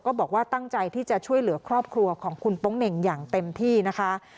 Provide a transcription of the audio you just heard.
บอกว่าตั้งใจที่จะช่วยเหลือครอบครัวของคุณโป๊งเหน่งอย่างเต็มที่นะคะ